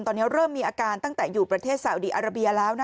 ตอนนี้เริ่มมีอาการตั้งแต่อยู่ประเทศสาวดีอาราเบียแล้ว